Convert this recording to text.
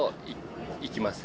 行きます。